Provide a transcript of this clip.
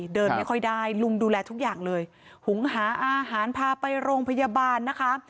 เดินไม่ค่อยได้ลุงดูแลทุกอย่างเลยหุงหาอาหารพาไปโรงพยาบาลนะคะ